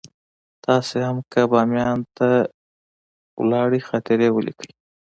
تاسې هم که باميان ته لاړئ خاطرې ولیکئ.